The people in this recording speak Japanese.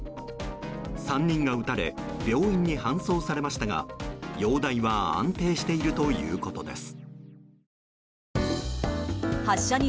３人が撃たれ病院に搬送されましたが容体は安定しているということです。